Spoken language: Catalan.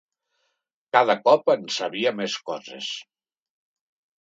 Cada cop en sabia més coses.